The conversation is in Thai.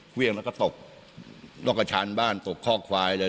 ขวี้ยงแล้วก็ตกรอกะชาญบ้านตกคลอควายเลย